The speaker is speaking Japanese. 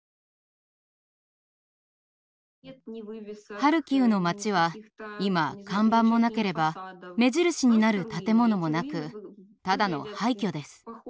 ハルキウの町は今看板もなければ目印になる建物もなくただの廃虚です。